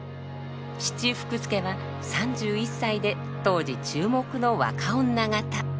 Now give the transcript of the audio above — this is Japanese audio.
父福助は３１歳で当時注目の若女方。